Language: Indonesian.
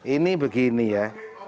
ini begini ya